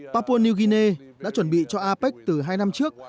papua new guinea đã chuẩn bị cho apec từ hai năm trước